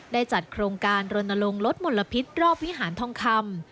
ได้จัดโครงการรณรงค์ลดมลพิษรอบวิหารทองคำ